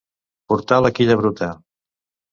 Portar la quilla bruta.